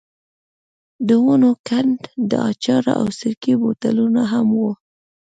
د ونو کنډ، د اچارو او سرکې بوتلونه هم وو.